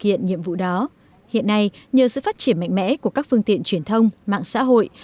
hiện nhiệm vụ đó hiện nay nhờ sự phát triển mạnh mẽ của các phương tiện truyền thông mạng xã hội